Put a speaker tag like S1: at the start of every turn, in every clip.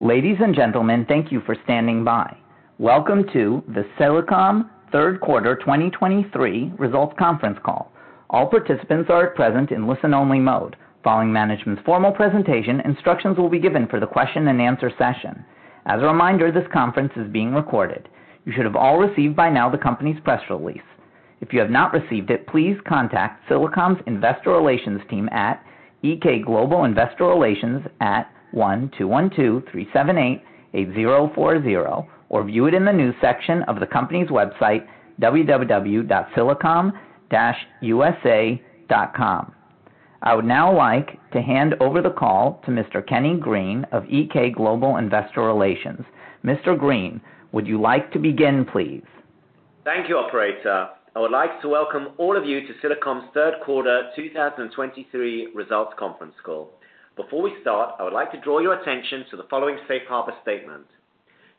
S1: Ladies and gentlemen, thank you for standing by. Welcome to the Silicom third quarter 2023 results conference call. All participants are at present in listen-only mode. Following management's formal presentation, instructions will be given for the question-and-answer session. As a reminder, this conference is being recorded. You should have all received by now the company's press release. If you have not received it, please contact Silicom's Investor Relations team at EK Global Investor Relations at 212-378-8040, or view it in the news section of the company's website, www.silicom-usa.com. I would now like to hand over the call to Mr. Kenny Green of EK Global Investor Relations. Mr. Green, would you like to begin, please?
S2: Thank you, operator. I would like to welcome all of you to Silicom's third quarter 2023 results conference call. Before we start, I would like to draw your attention to the following Safe Harbor statement.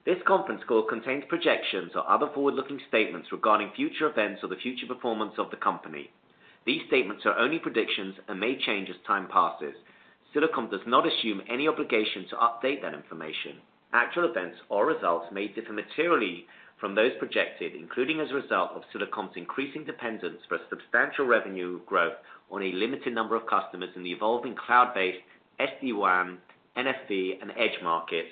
S2: This conference call contains projections or other forward-looking statements regarding future events or the future performance of the company. These statements are only predictions and may change as time passes. Silicom does not assume any obligation to update that information. Actual events or results may differ materially from those projected, including as a result of Silicom's increasing dependence for substantial revenue growth on a limited number of customers in the evolving cloud-based SD-WAN, NFV, and Edge markets.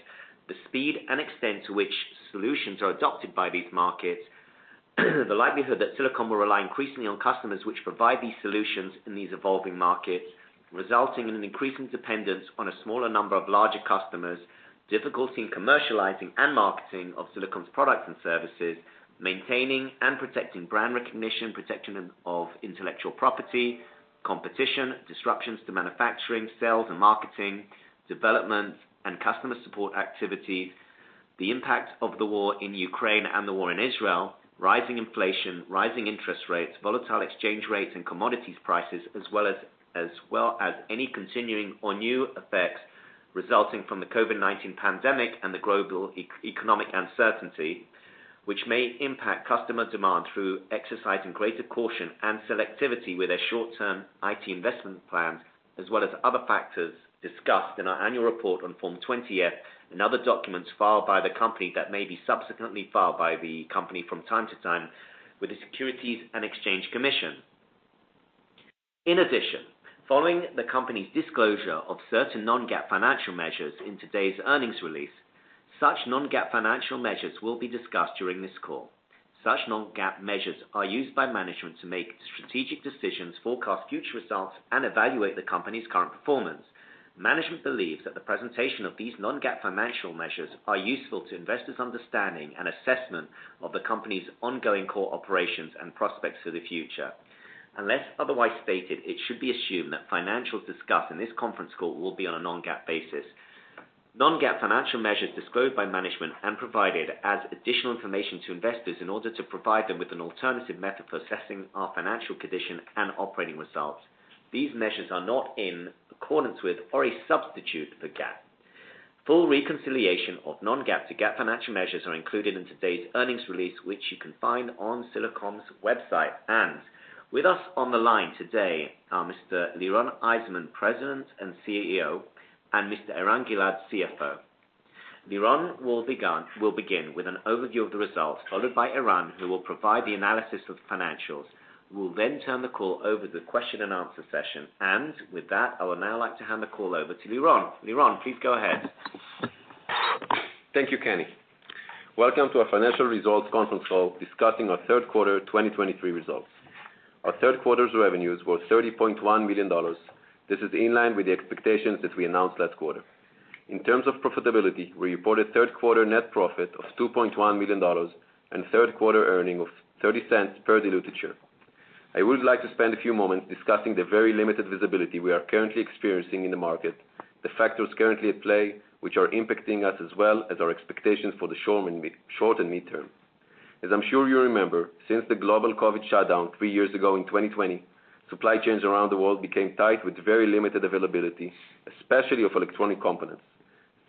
S2: The speed and extent to which solutions are adopted by these markets, the likelihood that Silicom will rely increasingly on customers which provide these solutions in these evolving markets, resulting in an increasing dependence on a smaller number of larger customers, difficulty in commercializing and marketing of Silicom's products and services, maintaining and protecting brand recognition, protection of intellectual property, competition, disruptions to manufacturing, sales and marketing, development and customer support activities, the impact of the war in Ukraine and the war in Israel, rising inflation, rising interest rates, volatile exchange rates and commodities prices. As well as any continuing or new effects resulting from the COVID-19 pandemic and the global economic uncertainty, which may impact customer demand through exercising greater caution and selectivity with their short-term IT investment plans, as well as other factors discussed in our Annual Report on Form 20-F and other documents filed by the company that may be subsequently filed by the company from time to time with the Securities and Exchange Commission. In addition, following the company's disclosure of certain non-GAAP financial measures in today's earnings release, such non-GAAP financial measures will be discussed during this call. Such non-GAAP measures are used by management to make strategic decisions, forecast future results, and evaluate the company's current performance. Management believes that the presentation of these non-GAAP financial measures are useful to investors' understanding and assessment of the company's ongoing core operations and prospects for the future. Unless otherwise stated, it should be assumed that financials discussed in this conference call will be on a non-GAAP basis. Non-GAAP financial measures disclosed by management and provided as additional information to investors in order to provide them with an alternative method for assessing our financial condition and operating results. These measures are not in accordance with or a substitute for GAAP. Full reconciliation of non-GAAP to GAAP financial measures are included in today's earnings release, which you can find on Silicom's website. With us on the line today are Mr. Liron Eizenman, President and CEO, and Mr. Eran Gilad, CFO. Liron will begin with an overview of the results, followed by Eran, who will provide the analysis of the financials. We'll then turn the call over to the question-and-answer session. With that, I would now like to hand the call over to Liron. Liron, please go ahead.
S3: Thank you, Kenny. Welcome to our financial results conference call discussing our third quarter 2023 results. Our third quarter's revenues were $30.1 million. This is in line with the expectations that we announced last quarter. In terms of profitability, we reported third quarter net profit of $2.1 million and third quarter earnings of $0.30 per diluted share. I would like to spend a few moments discussing the very limited visibility we are currently experiencing in the market, the factors currently at play, which are impacting us, as well as our expectations for the short and mid, short and mid-term. As I'm sure you remember, since the global COVID shutdown three years ago in 2020, supply chains around the world became tight with very limited availability, especially of electronic components.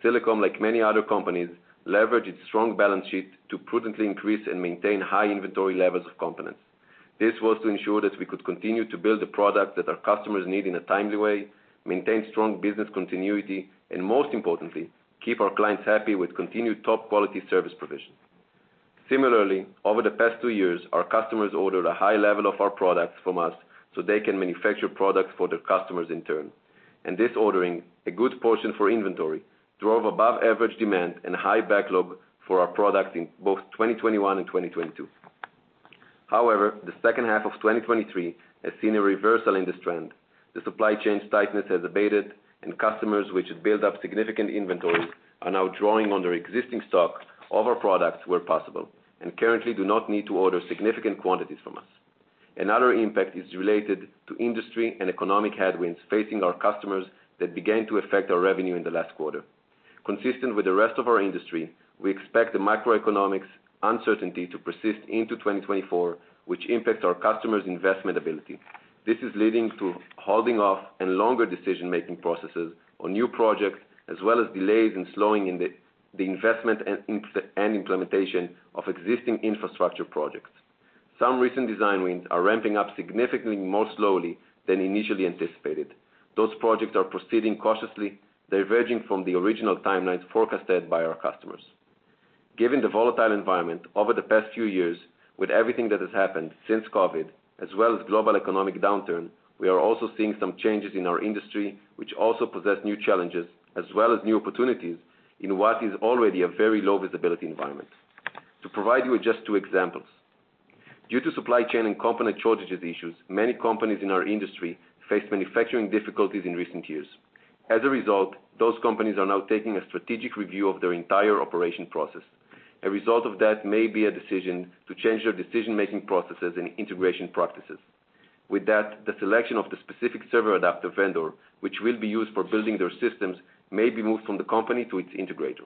S3: Silicom, like many other companies, leveraged its strong balance sheet to prudently increase and maintain high inventory levels of components. This was to ensure that we could continue to build the products that our customers need in a timely way, maintain strong business continuity, and most importantly, keep our clients happy with continued top-quality service provision. Similarly, over the past two years, our customers ordered a high level of our products from us so they can manufacture products for their customers in turn. This ordering, a good portion for inventory, drove above-average demand and high backlog for our products in both 2021 and 2022. However, the second half of 2023 has seen a reversal in this trend. The supply chain tightness has abated, and customers, which had built up significant inventories, are now drawing on their existing stock of our products where possible and currently do not need to order significant quantities from us. Another impact is related to industry and economic headwinds facing our customers that began to affect our revenue in the last quarter. Consistent with the rest of our industry, we expect the macroeconomic uncertainty to persist into 2024, which impacts our customers' investment ability. This is leading to holding off and longer decision-making processes on new projects, as well as delays and slowing in the investment and infrastructure and implementation of existing infrastructure projects. Some recent design wins are ramping up significantly more slowly than initially anticipated. Those projects are proceeding cautiously, diverging from the original timelines forecasted by our customers. Given the volatile environment over the past few years, with everything that has happened since COVID, as well as global economic downturn, we are also seeing some changes in our industry, which also possess new challenges as well as new opportunities in what is already a very low visibility environment. To provide you with just two examples, due to supply chain and component shortages issues, many companies in our industry faced manufacturing difficulties in recent years. As a result, those companies are now taking a strategic review of their entire operation process. A result of that may be a decision to change their decision-making processes and integration practices. With that, the selection of the specific server adapter vendor, which will be used for building their systems, may be moved from the company to its integrator.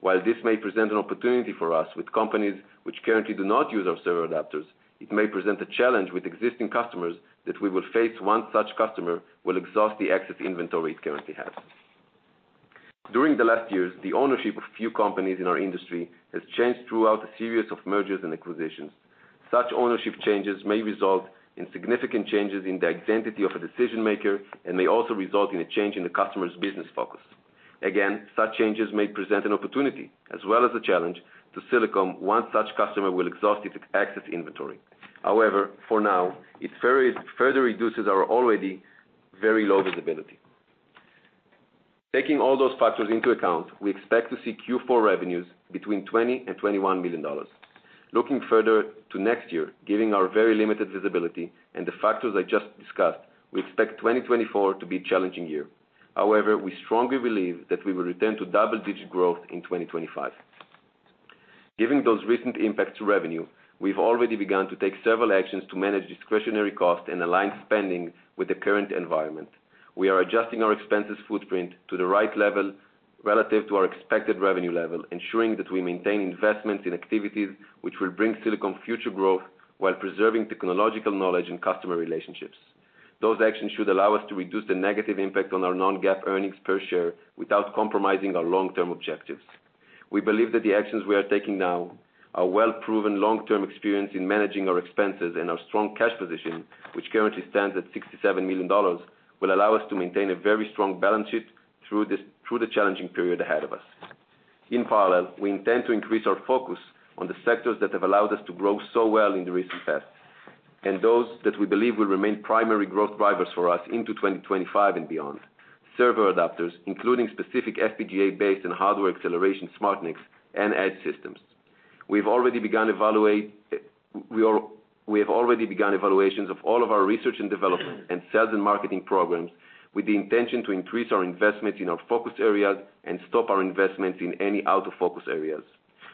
S3: While this may present an opportunity for us with companies which currently do not use our server adapters, it may present a challenge with existing customers that we will face once such customer will exhaust the excess inventory it currently has. During the last years, the ownership of few companies in our industry has changed throughout a series of mergers and acquisitions. Such ownership changes may result in significant changes in the identity of a decision maker and may also result in a change in the customer's business focus. Again, such changes may present an opportunity as well as a challenge to Silicom once such customer will exhaust its excess inventory. However, for now, it's very further reduces our already very low visibility. Taking all those factors into account, we expect to see Q4 revenues between $20 million and $21 million. Looking further to next year, given our very limited visibility and the factors I just discussed, we expect 2024 to be a challenging year. However, we strongly believe that we will return to double-digit growth in 2025. Given those recent impacts to revenue, we've already begun to take several actions to manage discretionary costs and align spending with the current environment. We are adjusting our expenses footprint to the right level relative to our expected revenue level, ensuring that we maintain investments in activities which will bring Silicom future growth, while preserving technological knowledge and customer relationships. Those actions should allow us to reduce the negative impact on our non-GAAP earnings per share without compromising our long-term objectives. We believe that the actions we are taking now, our well-proven long-term experience in managing our expenses, and our strong cash position, which currently stands at $67 million, will allow us to maintain a very strong balance sheet through the challenging period ahead of us. In parallel, we intend to increase our focus on the sectors that have allowed us to grow so well in the recent past, and those that we believe will remain primary growth drivers for us into 2025 and beyond. Server Adapters, including specific FPGA-based and hardware acceleration SmartNICs and Edge Systems. We have already begun evaluations of all of our research and development and sales and marketing programs, with the intention to increase our investment in our focus areas and stop our investments in any out-of-focus areas.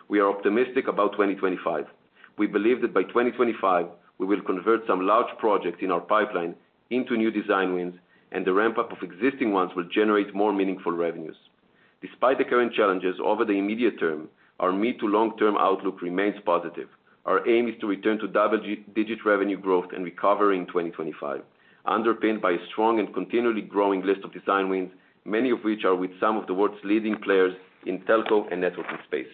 S3: We are optimistic about 2025. We believe that by 2025, we will convert some large projects in our pipeline into new design wins, and the ramp-up of existing ones will generate more meaningful revenues. Despite the current challenges over the immediate term, our mid- to long-term outlook remains positive. Our aim is to return to double-digit revenue growth and recovery in 2025, underpinned by a strong and continually growing list of design wins, many of which are with some of the world's leading players in telco and networking space.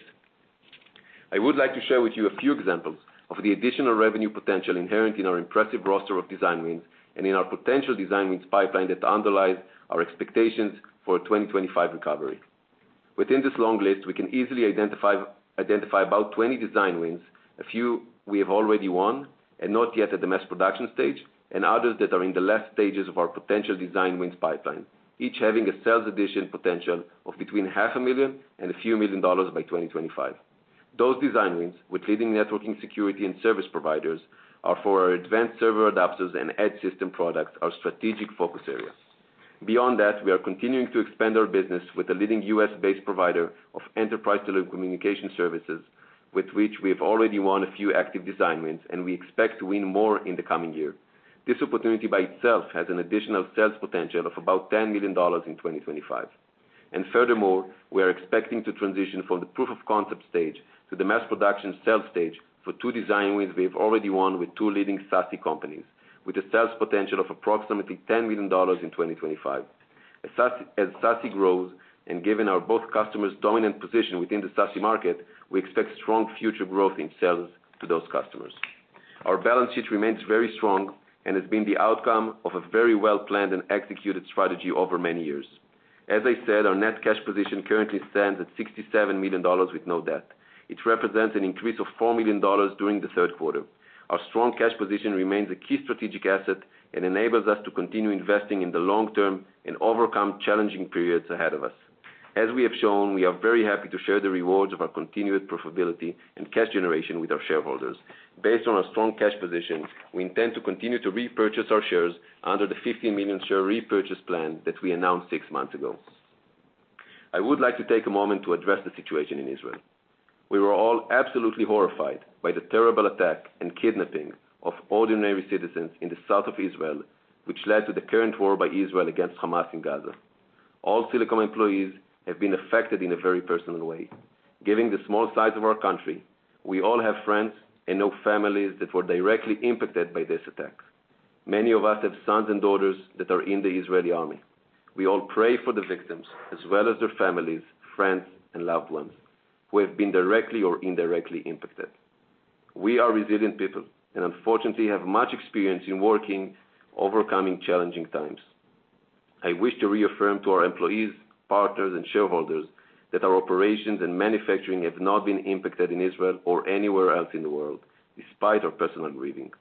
S3: I would like to share with you a few examples of the additional revenue potential inherent in our impressive roster of design wins and in our potential design wins pipeline that underlies our expectations for a 2025 recovery. Within this long list, we can easily identify about 20 design wins, a few we have already won and not yet at the mass production stage, and others that are in the last stages of our potential design wins pipeline, each having a sales addition potential of between $500,000 and a few million dollars by 2025. Those design wins with leading networking, security, and service providers are for our Advanced Server Adapters and Edge Systems products, our strategic focus areas. Beyond that, we are continuing to expand our business with a leading U.S.-based provider of enterprise telecommunication services, with which we have already won a few active design wins, and we expect to win more in the coming year. This opportunity by itself has an additional sales potential of about $10 million in 2025. Furthermore, we are expecting to transition from the proof of concept stage to the mass production sales stage for two design wins we've already won with two leading SASE companies, with a sales potential of approximately $10 million in 2025. As SASE, as SASE grows, and given our both customers' dominant position within the SASE market, we expect strong future growth in sales to those customers. Our balance sheet remains very strong and has been the outcome of a very well-planned and executed strategy over many years. As I said, our net cash position currently stands at $67 million with no debt. It represents an increase of $4 million during the third quarter. Our strong cash position remains a key strategic asset and enables us to continue investing in the long-term and overcome challenging periods ahead of us. As we have shown, we are very happy to share the rewards of our continued profitability and cash generation with our shareholders. Based on our strong cash position, we intend to continue to repurchase our shares under the 15 million share repurchase plan that we announced six months ago. I would like to take a moment to address the situation in Israel. We were all absolutely horrified by the terrible attack and kidnapping of ordinary citizens in the south of Israel, which led to the current war by Israel against Hamas in Gaza. All Silicom employees have been affected in a very personal way. Given the small size of our country, we all have friends and know families that were directly impacted by this attack. Many of us have sons and daughters that are in the Israeli army. We all pray for the victims, as well as their families, friends, and loved ones, who have been directly or indirectly impacted. We are resilient people, and unfortunately have much experience in working, overcoming challenging times. I wish to reaffirm to our employees, partners, and shareholders, that our operations and manufacturing have not been impacted in Israel or anywhere else in the world, despite our personal grieving.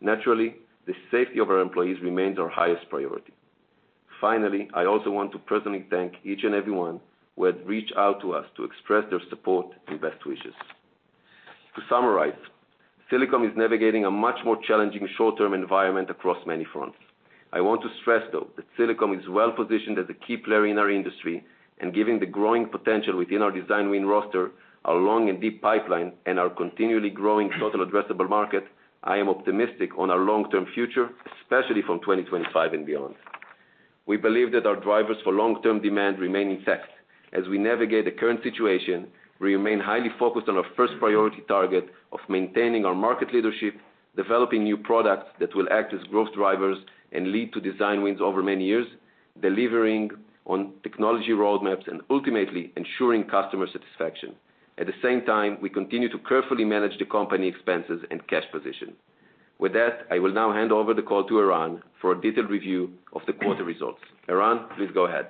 S3: Naturally, the safety of our employees remains our highest priority. Finally, I also want to personally thank each and everyone who had reached out to us to express their support and best wishes. To summarize, Silicom is navigating a much more challenging short-term environment across many fronts. I want to stress, though, that Silicom is well positioned as a key player in our industry, and given the growing potential within our design win roster, our long and deep pipeline, and our continually growing total addressable market, I am optimistic on our long-term future, especially from 2025 and beyond. We believe that our drivers for long-term demand remain intact. As we navigate the current situation, we remain highly focused on our first priority target of maintaining our market leadership, developing new products that will act as growth drivers and lead to design wins over many years, delivering on technology roadmaps, and ultimately ensuring customer satisfaction. At the same time, we continue to carefully manage the company expenses and cash position. With that, I will now hand over the call to Eran for a detailed review of the quarter results. Eran, please go ahead.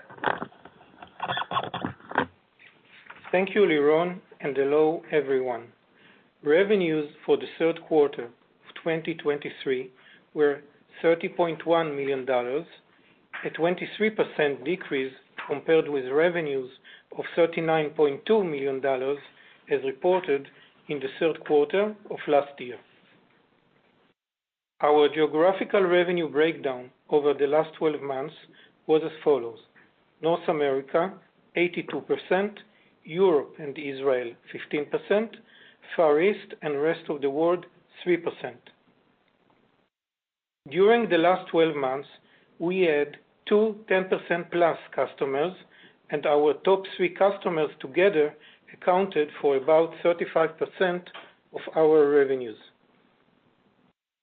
S4: Thank you, Liron, and hello, everyone. Revenues for the third quarter of 2023 were $30.1 million, a 23% decrease compared with revenues of $39.2 million, as reported in the third quarter of last year. Our geographical revenue breakdown over the last 12 months was as follows: North America, 82%; Europe and Israel, 15%; Far East and rest of the world, 3%. During the last 12 months, we had two 10%+ customers, and our top three customers together accounted for about 35% of our revenues.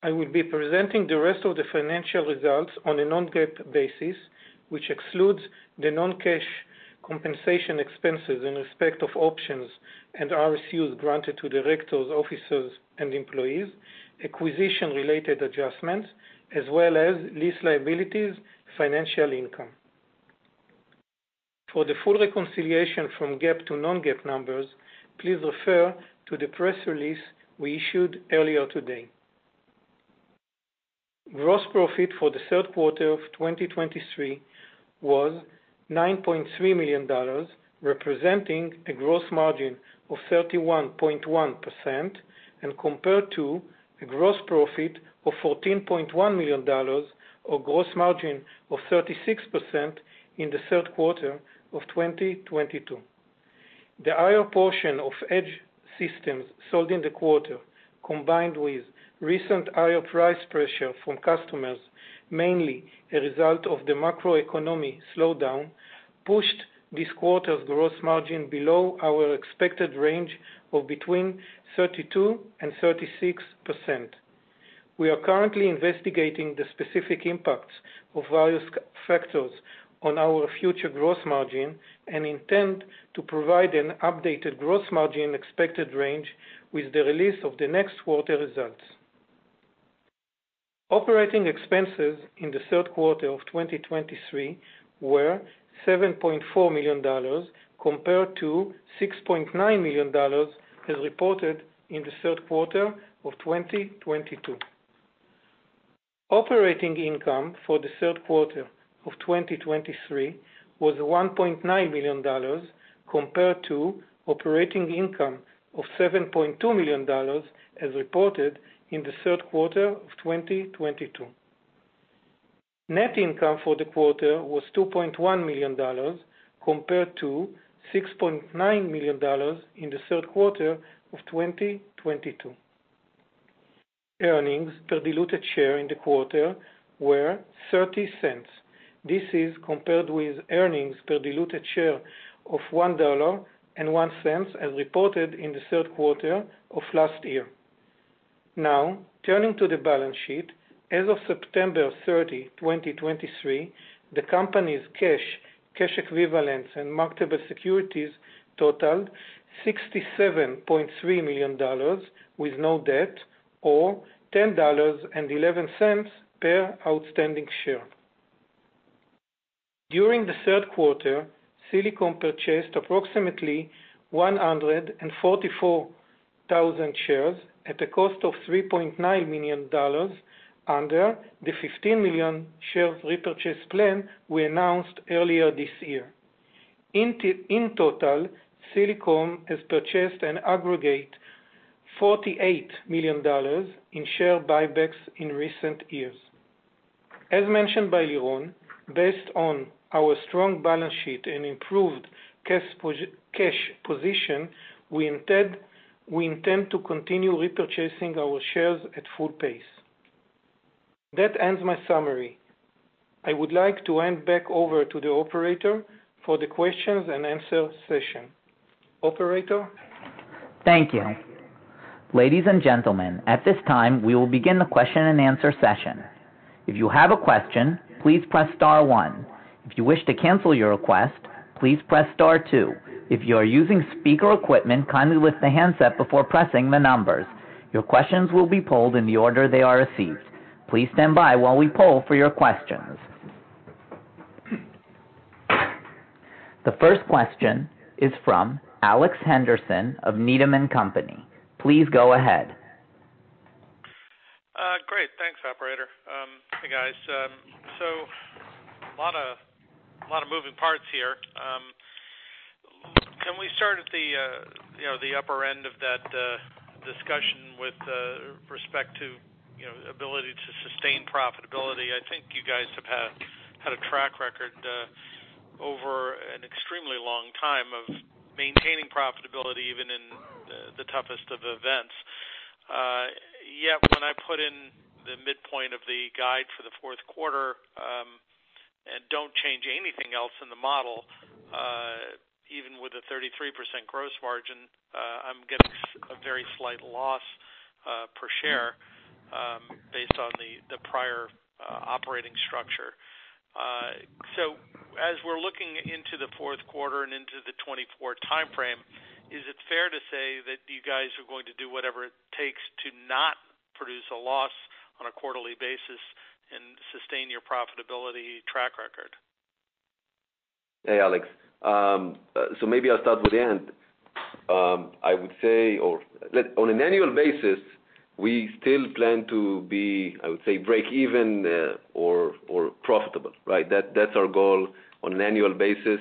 S4: I will be presenting the rest of the financial results on a non-GAAP basis, which excludes the non-cash compensation expenses in respect of options and RSUs granted to Directors, officers and employees, acquisition-related adjustments, as well as lease liabilities, financial income. For the full reconciliation from GAAP to non-GAAP numbers, please refer to the press release we issued earlier today. Gross profit for the third quarter of 2023 was $9.3 million, representing a gross margin of 31.1%, and compared to a gross profit of $14.1 million, or gross margin of 36% in the third quarter of 2022. The higher portion of Edge Systems sold in the quarter, combined with recent higher price pressure from customers, mainly a result of the macroeconomic slowdown, pushed this quarter's gross margin below our expected range of between 32% and 36%. We are currently investigating the specific impacts of various factors on our future gross margin, and intend to provide an updated gross margin expected range with the release of the next quarter results. Operating expenses in the third quarter of 2023 were $7.4 million, compared to $6.9 million, as reported in the third quarter of 2022. Operating income for the third quarter of 2023 was $1.9 million, compared to operating income of $7.2 million, as reported in the third quarter of 2022. Net income for the quarter was $2.1 million, compared to $6.9 million in the third quarter of 2022. Earnings per diluted share in the quarter were $0.30. This is compared with earnings per diluted share of $1.01, as reported in the third quarter of last year. Now, turning to the balance sheet. As of September 30, 2023, the company's cash, cash equivalents, and marketable securities totaled $67.3 million, with no debt, or $10.11 per outstanding share. During the third quarter, Silicom purchased approximately 144,000 shares at a cost of $3.9 million under the 15 million share repurchase plan we announced earlier this year. In total, Silicom has purchased an aggregate $48 million in share buybacks in recent years. As mentioned by Liron, based on our strong balance sheet and improved cash position, we intend to continue repurchasing our shares at full pace. That ends my summary.... I would like to hand back over to the operator for the questions and answer session. Operator?
S1: Thank you. Ladies and gentlemen, at this time, we will begin the question-and-answer session. If you have a question, please press Star one. If you wish to cancel your request, please press Star two. If you are using speaker equipment, kindly lift the handset before pressing the numbers. Your questions will be polled in the order they are received. Please stand by while we poll for your questions. The first question is from Alex Henderson of Needham & Company. Please go ahead.
S5: Great, thanks, operator. Hey, guys. So a lot of, a lot of moving parts here. Can we start at the, you know, the upper end of that discussion with respect to, you know, ability to sustain profitability? I think you guys have had, had a track record over an extremely long time of maintaining profitability, even in the, the toughest of events. Yet when I put in the midpoint of the guide for the fourth quarter, and don't change anything else in the model, even with a 33% gross margin, I'm getting a very slight loss per share, based on the, the prior operating structure. As we're looking into the fourth quarter and into the 2024 timeframe, is it fair to say that you guys are going to do whatever it takes to not produce a loss on a quarterly basis and sustain your profitability track record?
S3: Hey, Alex. So maybe I'll start with the end. I would say, on an annual basis, we still plan to be, I would say, breakeven, or profitable, right? That's our goal on an annual basis,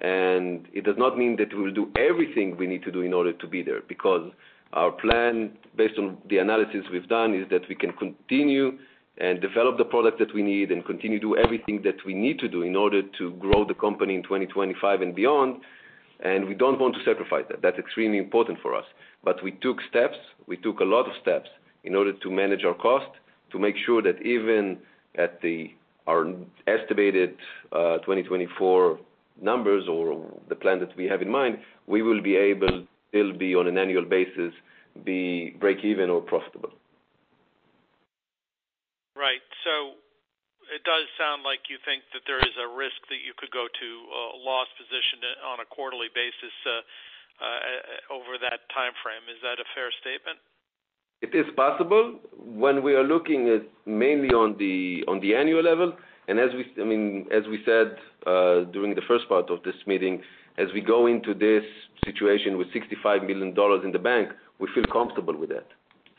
S3: and it does not mean that we will do everything we need to do in order to be there, because our plan, based on the analysis we've done, is that we can continue and develop the product that we need and continue to do everything that we need to do in order to grow the company in 2025 and beyond. We don't want to sacrifice that. That's extremely important for us. But we took steps, we took a lot of steps in order to manage our cost, to make sure that even at the, our estimated, 2024 numbers or the plan that we have in mind, we will be able, it'll be on an annual basis, be breakeven or profitable.
S5: Right. So it does sound like you think that there is a risk that you could go to a loss position on a quarterly basis, over that timeframe. Is that a fair statement?
S3: It is possible. When we are looking at mainly on the annual level, and as we, I mean, as we said, during the first part of this meeting, as we go into this situation with $65 million in the bank, we feel comfortable with that.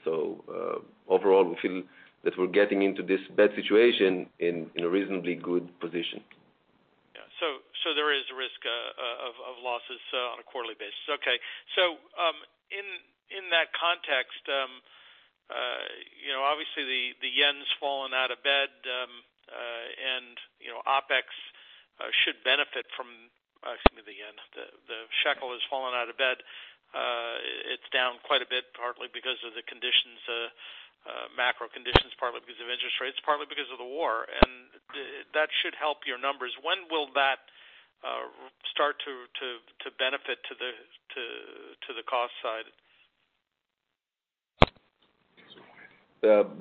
S3: So, overall, we feel that we're getting into this bad situation in a reasonably good position.
S5: Yeah. So there is a risk of losses on a quarterly basis. Okay. So, in that context, you know, obviously, the yen's fallen out of bed, and, you know, OpEx should benefit from, excuse me, the yen, the shekel has fallen out of bed. It's down quite a bit, partly because of the conditions, macro conditions, partly because of interest rates, partly because of the war, and that should help your numbers. When will that start to benefit to the cost side?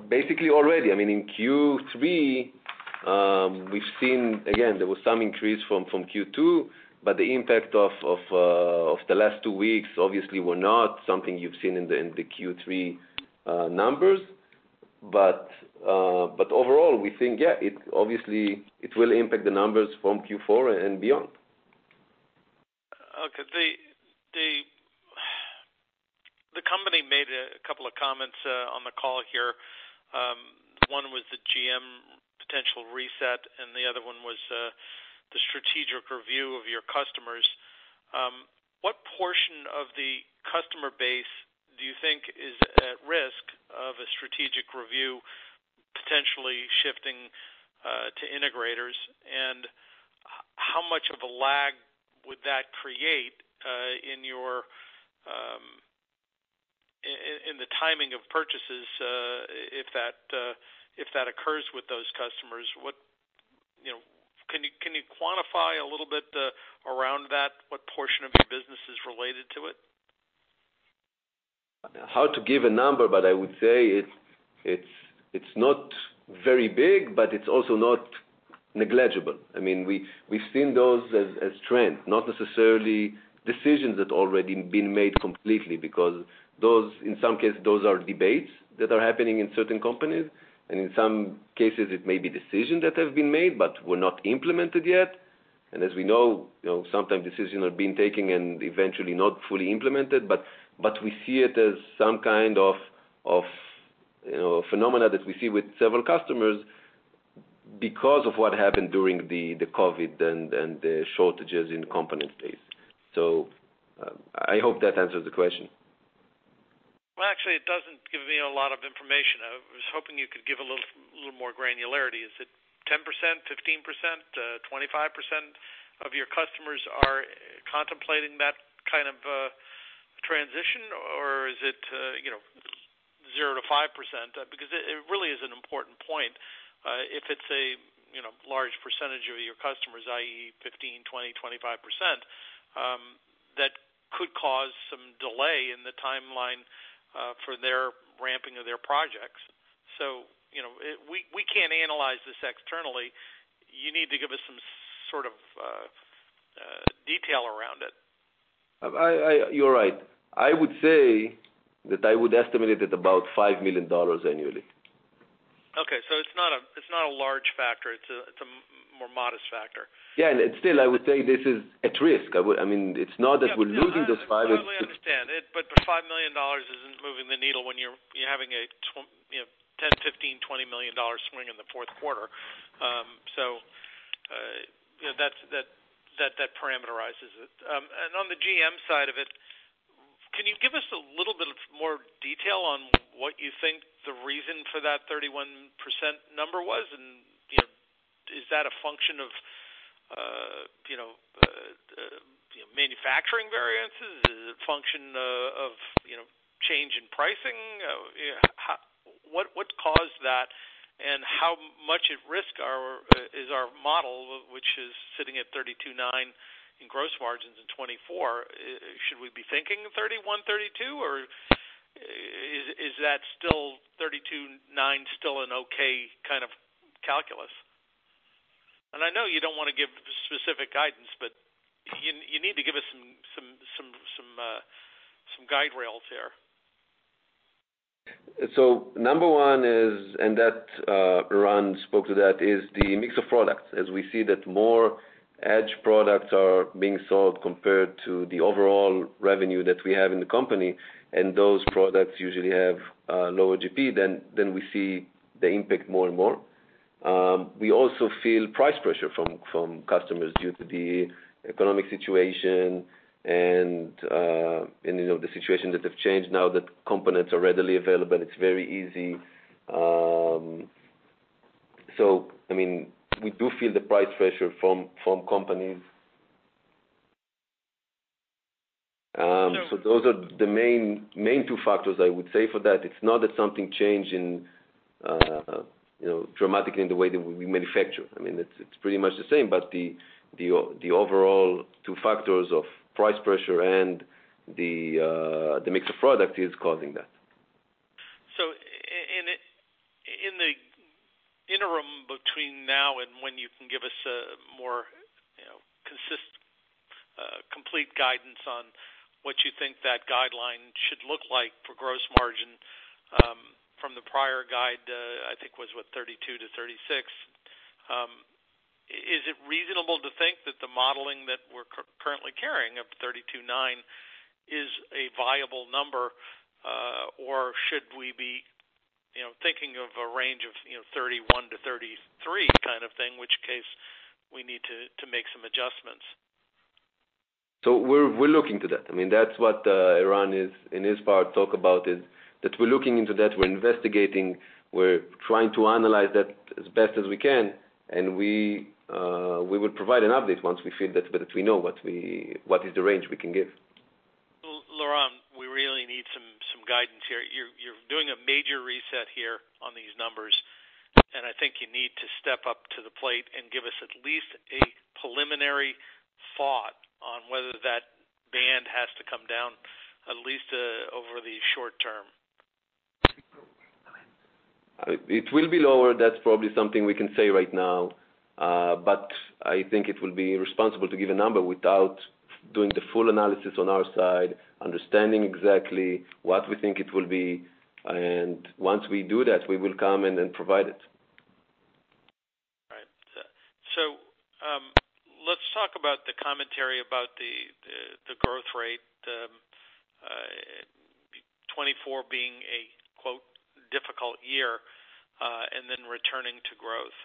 S3: Basically already. I mean, in Q3, we've seen again, there was some increase from Q2, but the impact of the last two weeks obviously were not something you've seen in the Q3 numbers. But overall, we think, yeah, it obviously, it will impact the numbers from Q4 and beyond.
S5: Okay. The company made a couple of comments on the call here. One was the GM potential reset, and the other one was the strategic review of your customers. What portion of the customer base do you think is at risk of a strategic review, potentially shifting to integrators? And how much of a lag would that create in your in the timing of purchases if that occurs with those customers? You know, can you quantify a little bit around that? What portion of your business is related to it?
S3: Hard to give a number, but I would say it's not very big, but it's also not negligible. I mean, we've seen those as trends, not necessarily decisions that already been made completely, because those, in some cases, those are debates that are happening in certain com\panies, and in some cases, it may be decisions that have been made but were not implemented yet. And as we know, you know, sometimes decisions have been taken and eventually not fully implemented, but we see it as some kind of, you know, phenomena that we see with several customers because of what happened during the COVID and the shortages in components base. So, I hope that answers the question.
S5: Well, actually, it doesn't give me a lot of information. I was hoping you could give a little, little more granularity. Is it 10%, 15%, 25% of your customers are contemplating that kind of transition, or is it, you know, 0%-5%, because it really is an important point. If it's a, you know, large percentage of your customers, i.e., 15, 20, 25%, that could cause some delay in the timeline for their ramping of their projects. So, you know, we, we can't analyze this externally. You need to give us some sort of detail around it.
S3: You're right. I would say that I would estimate it at about $5 million annually.
S5: Okay, so it's not a large factor, it's a more modest factor.
S3: Yeah, and still, I would say this is at risk. I mean, it's not that we're losing the $5 million
S5: I totally understand it, but the $5 million isn't moving the needle when you're having a $10 milion-$15 million-$20 million swing in the fourth quarter. You know, that parameterizes it. On the GM side of it, can you give us a little bit more detail on what you think the reason for that 31% number was? And, you know, is that a function of, you know, manufacturing variances? Is it a function of, you know, change in pricing? How, what caused that, and how much at risk is our model, which is sitting at 32.9% in gross margins in 2024? Should we be thinking of 31%, 32%, or is that still 32.9% still an okay kind of calculus? I know you don't want to give specific guidance, but you need to give us some guide rails here.
S3: So number one is, and that, Eran spoke to that, is the mix of products. As we see that more edge products are being sold compared to the overall revenue that we have in the company, and those products usually have, lower GP, then we see the impact more and more. We also feel price pressure from customers due to the economic situation and, you know, the situation that have changed now that components are readily available, it's very easy. So, I mean, we do feel the price pressure from companies. So those are the main, main two factors I would say for that. It's not that something changed in, you know, dramatically in the way that we manufacture. I mean, it's, it's pretty much the same, but the overall two factors of price pressure and the mix of product is causing that.
S5: So in the interim, between now and when you can give us a more, you know, consistent, complete guidance on what you think that guideline should look like for gross margin, from the prior guide, I think was, what, 32%-36%. Is it reasonable to think that the modeling that we're currently carrying of 32.9% is a viable number, or should we be, you know, thinking of a range of, you know, 31%-33% kind of thing, in which case we need to make some adjustments?
S3: So we're looking to that. I mean, that's what Eran is, in his part, talk about is that we're looking into that, we're investigating, we're trying to analyze that as best as we can, and we will provide an update once we feel that we know what is the range we can give.
S5: Liron, we really need some guidance here. You're doing a major reset here on these numbers, and I think you need to step up to the plate and give us at least a preliminary thought on whether that band has to come down, at least, over the short-term.
S3: It will be lower, that's probably something we can say right now. But I think it will be responsible to give a number without doing the full analysis on our side, understanding exactly what we think it will be, and once we do that, we will come and then provide it.
S5: All right. So, let's talk about the commentary about the growth rate, 2024 being a difficult year and then returning to growth.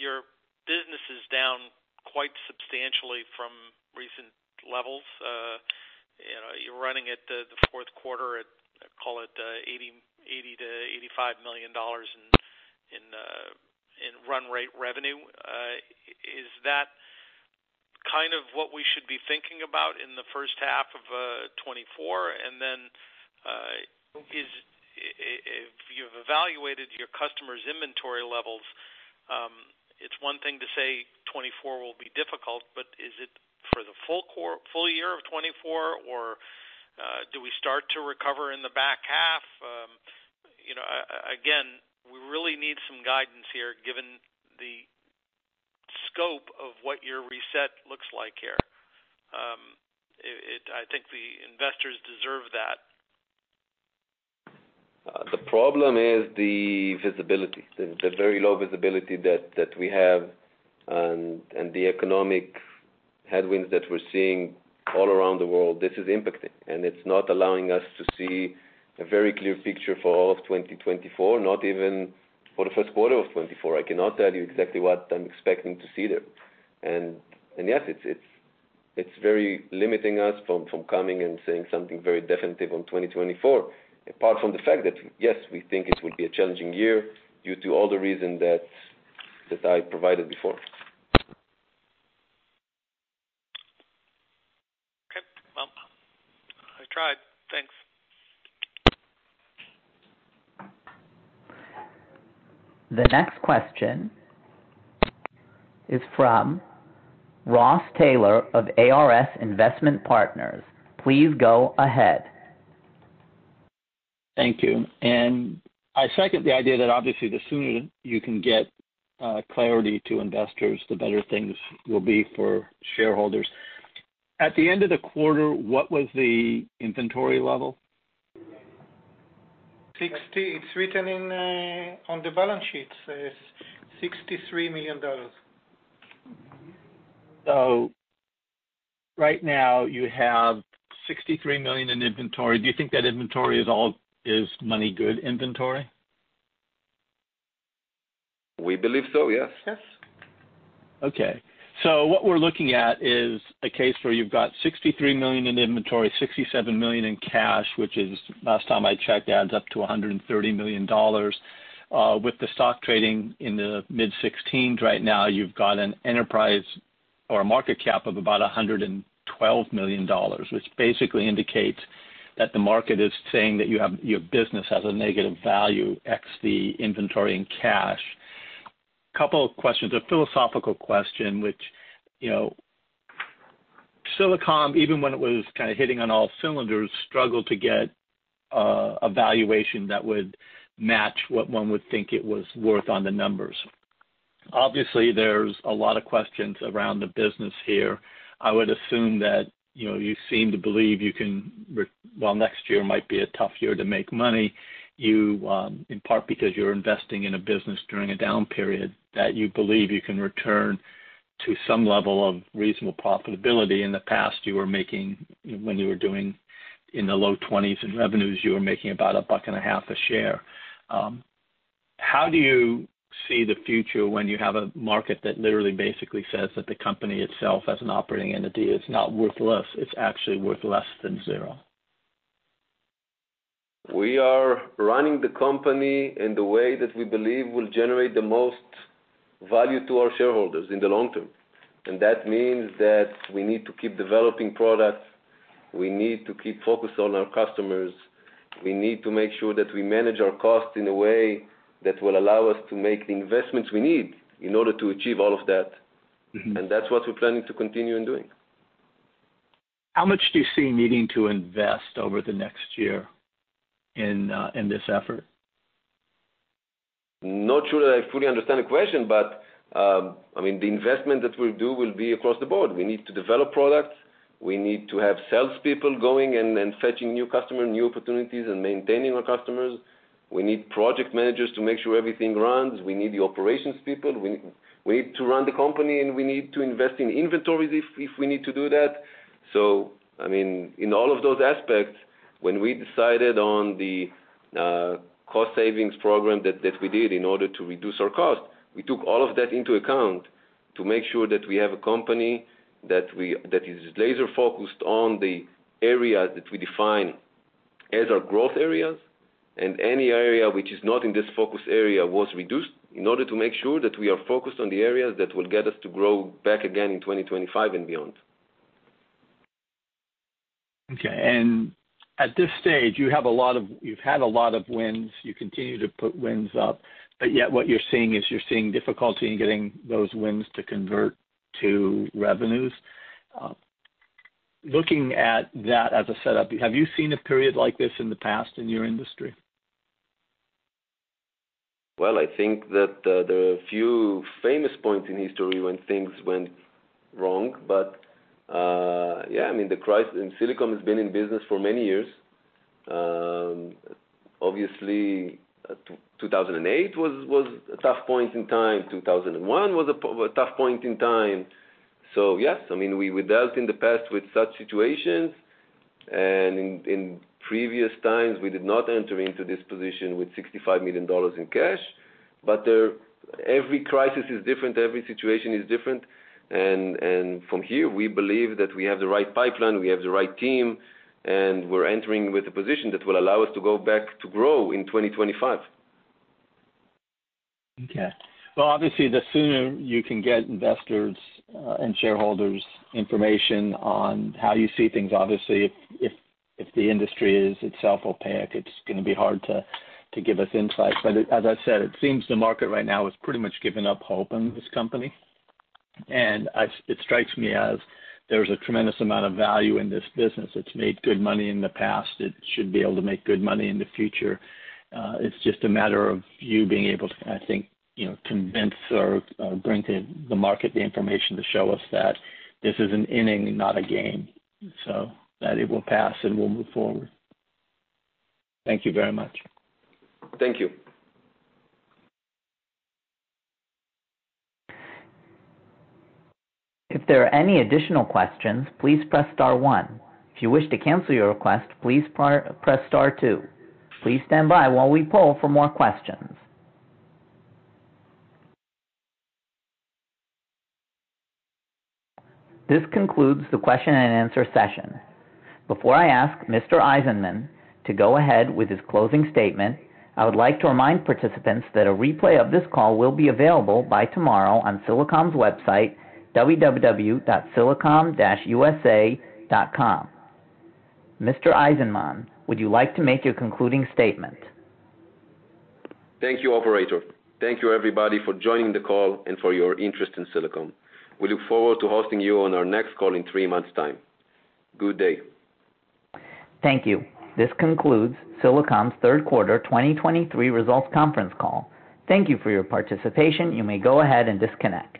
S5: Your business is down quite substantially from recent levels. You know, you're running at the fourth quarter at, call it, $80 million-$85 million in run rate revenue. Is that kind of what we should be thinking about in the first half of 2024? And then, if you've evaluated your customers' inventory levels, it's one thing to say 2024 will be difficult, but is it for the full-year of 2024, or do we start to recover in the back half? You know, again, we really need some guidance here, given the scope of what your reset looks like here. I think the investors deserve that.
S3: The problem is the visibility, the very low visibility that we have and the economic headwinds that we're seeing all around the world. This is impacting, and it's not allowing us to see a very clear picture for all of 2024, not even for the first quarter of 2024. I cannot tell you exactly what I'm expecting to see there. And yes, it's very limiting us from coming and saying something very definitive on 2024, apart from the fact that yes, we think it will be a challenging year due to all the reasons that I provided before.
S5: Okay, well, I tried. Thanks.
S1: The next question is from Ross Taylor of ARS Investment Partners. Please go ahead.
S6: Thank you. I second the idea that obviously the sooner you can get clarity to investors, the better things will be for shareholders. At the end of the quarter, what was the inventory level?
S4: $60 million. It's written in on the balance sheet. It says $63 million.
S6: Right now you have $63 million in inventory. Do you think that inventory is all money-good inventory?
S3: We believe so, yes.
S4: Yes.
S6: Okay. So what we're looking at is a case where you've got $63 million in inventory, $67 million in cash, which is, last time I checked, adds up to $130 million. With the stock trading in the mid-16s right now, you've got an enterprise or a market cap of about $112 million, which basically indicates that the market is saying that you have, your business has a negative value X the inventory and cash. Couple of questions. A philosophical question, which, you know, Silicom, even when it was kind of hitting on all cylinders, struggled to get a valuation that would match what one would think it was worth on the numbers. Obviously, there's a lot of questions around the business here. I would assume that, you know, you seem to believe you can re... Well, next year might be a tough year to make money. You, in part because you're investing in a business during a down period, that you believe you can return to some level of reasonable profitability. In the past, you were making, when you were doing in the low 20s in revenues, you were making about $1.50 a share. How do you see the future when you have a market that literally basically says that the company itself, as an operating entity, is not worth less, it's actually worth less than zero?
S3: We are running the company in the way that we believe will generate the most value to our shareholders in the long-term, and that means that we need to keep developing products. We need to keep focused on our customers. We need to make sure that we manage our costs in a way that will allow us to make the investments we need in order to achieve all of that, and that's what we're planning to continue in doing.
S6: How much do you see needing to invest over the next year in, in this effort?
S3: Not sure I fully understand the question, but I mean, the investment that we'll do will be across the board. We need to develop products. We need to have salespeople going and fetching new customers, new opportunities, and maintaining our customers. We need project managers to make sure everything runs. We need the operations people. We need to run the company, and we need to invest in inventories if we need to do that. So, I mean, in all of those aspects, when we decided on the cost savings program that we did in order to reduce our cost, we took all of that into account to make sure that we have a company that we. That is laser-focused on the areas that we define as our growth areas, and any area which is not in this focus area was reduced in order to make sure that we are focused on the areas that will get us to grow back again in 2025 and beyond.
S6: Okay. And at this stage, you have a lot of, you've had a lot of wins. You continue to put wins up, but yet what you're seeing is you're seeing difficulty in getting those wins to convert to revenues. Looking at that as a setup, have you seen a period like this in the past in your industry?
S3: Well, I think that, there are a few famous points in history when things went wrong. But, yeah, I mean, the crisis, and Silicom has been in business for many years. Obviously, 2008 was a tough point in time. 2001 was a tough point in time. So, yes, I mean, we dealt in the past with such situations, and in previous times, we did not enter into this position with $65 million in cash. But there, every crisis is different, every situation is different. And from here, we believe that we have the right pipeline, we have the right team, and we're entering with a position that will allow us to go back to grow in 2025.
S6: Okay. Well, obviously, the sooner you can get investors and shareholders information on how you see things, obviously, if the industry is itself opaque, it's gonna be hard to give us insights. But as I said, it seems the market right now has pretty much given up hope in this company, and I've... It strikes me as there's a tremendous amount of value in this business. It's made good money in the past, it should be able to make good money in the future. It's just a matter of you being able to, I think, you know, convince or bring to the market the information to show us that this is an inning, not a game, so that it will pass, and we'll move forward. Thank you very much.
S3: Thank you.
S1: If there are any additional questions, please press Star one. If you wish to cancel your request, please press Star two. Please stand by while we poll for more questions. This concludes the question-and-answer session. Before I ask Mr. Eizenman to go ahead with his closing statement, I would like to remind participants that a replay of this call will be available by tomorrow on Silicom's website, www.silicom-usa.com. Mr. Eizenman, would you like to make your concluding statement?
S3: Thank you, operator. Thank you, everybody, for joining the call and for your interest in Silicom. We look forward to hosting you on our next call in three months' time. Good day.
S1: Thank you. This concludes Silicom's third quarter 2023 results conference call. Thank you for your participation. You may go ahead and disconnect.